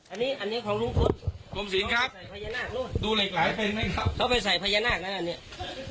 อันนี้ของลุงพลดูเหล็กไหลเป็นไหมครับเขาไปใส่พญานาคนะอันนี้